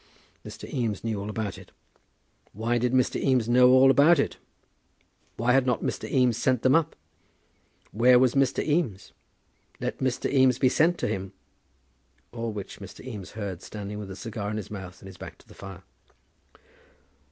Mr. Eames knew all about it. Why did Mr. Eames know all about it? Why had not Mr. Eames sent them up? Where was Mr. Eames? Let Mr. Eames be sent to him. All which Mr. Eames heard standing with the cigar in his mouth and his back to the fire.